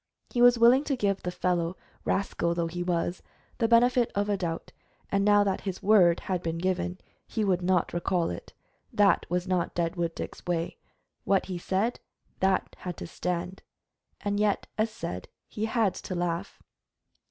He was willing to give the fellow, rascal though he was, the benefit of a doubt, and now that his word had been given he would not recall it. That was not Deadwood Dick's way. What he said, that had to stand; and yet, as said, he had to laugh.